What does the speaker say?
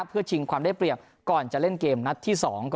เพื่อชิงความได้เปรียบก่อนจะเล่นเกมนัดที่๒